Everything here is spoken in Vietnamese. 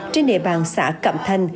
trên địa bàn xã cậm thành